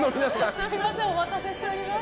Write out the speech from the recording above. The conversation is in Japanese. すみませんお待たせしております。